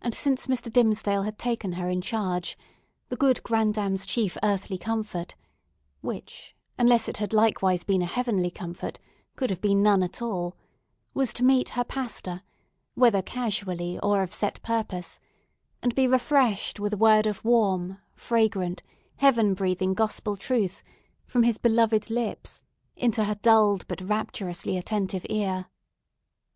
And since Mr. Dimmesdale had taken her in charge, the good grandam's chief earthly comfort—which, unless it had been likewise a heavenly comfort, could have been none at all—was to meet her pastor, whether casually, or of set purpose, and be refreshed with a word of warm, fragrant, heaven breathing Gospel truth, from his beloved lips, into her dulled, but rapturously attentive ear.